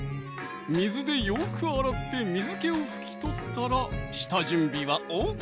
水でよく洗って水気を拭き取ったら下準備はＯＫ